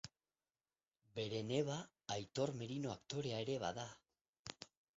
Bere neba Aitor Merino aktorea ere bada.